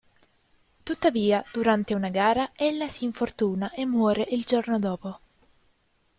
Tuttavia, durante una gara, ella si infortuna e muore il giorno dopo.